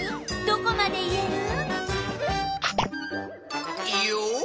どこまで言える？